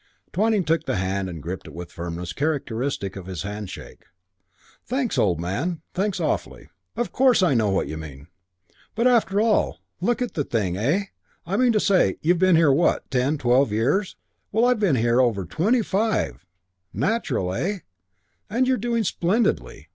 Twyning took the hand and gripped it with a firmness characteristic of his handshake. "Thanks, old man. Thanks awfully. Of course I know what you mean. But after all, look at the thing, eh? I mean to say, you've been here what ten or twelve years. Well, I've been over twenty five. Natural, eh? And you're doing splendidly.